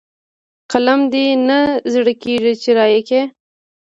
قلم دې نه زړه کېږي چې رايې کړئ.